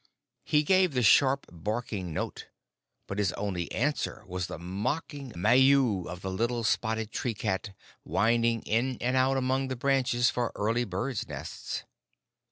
He gave the sharp, barking note, but his only answer was the mocking maiou of the little spotted tree cat winding in and out among the branches for early birds' nests.